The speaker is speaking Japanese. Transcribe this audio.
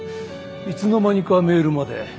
いつの間にかメールまで。